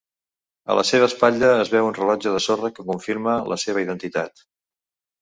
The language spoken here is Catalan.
A la seva espatlla es veu un rellotge de sorra que confirma la seva identitat.